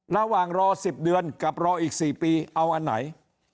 ระหว่างรอ๑๐เดือนกับรออีก๔ปีเอาอันไหน